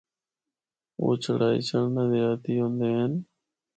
او چڑھائی چڑھنا دے عادی ہوندے ہن۔